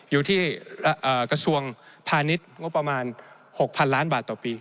อยู่ที่กระทรวงพาณิชย์งบประมาณ๖๐๐๐ล้านบาทต่อปี